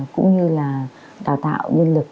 cũng như là đào tạo nhân lực